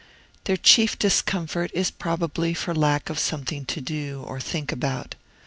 Their chief discomfort is probably for lack of something to do or think about.